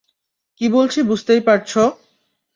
কী বলছি বুঝতেই পারছো?